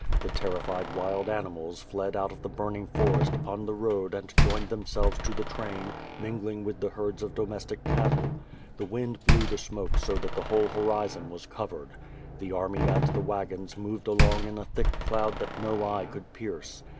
The terrified wild animals fled out of the burning forest upon the road and joined themselves to the train, mingling with the herds of domestic cattle. The wind blew the smoke so that the whole horizon was covered. The army WITH FIRE AND 8W0RD, 309 and the wagons moved alonig in a thick cloud that no eye could pierce.